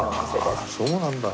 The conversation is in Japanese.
あそうなんだ。